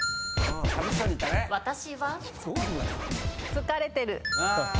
疲れてる。